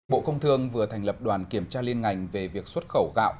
bộ công thương vừa thành lập đoàn kiểm tra liên ngành về việc xuất khẩu gạo